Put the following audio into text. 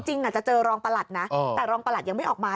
อาจจะเจอรองประหลัดนะแต่รองประหลัดยังไม่ออกมา